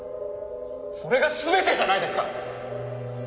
それが全てじゃないですか！